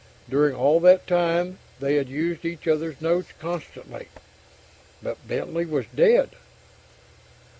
During all that time they had used each other's notes constantly. But Bentley was dead.